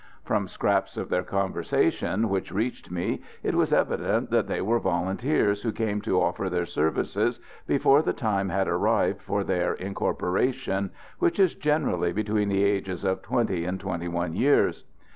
From scraps of their conversation which reached me it was evident that they were volunteers who came to offer their services before the time had arrived for their incorporation, which is generally between the ages of twenty and twenty one years.